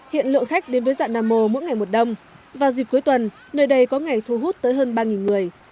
hiện lượng khách đến với dạng nam ô mỗi ngày một đông vào dịp cuối tuần nơi đây có ngày thu hút tới hơn ba người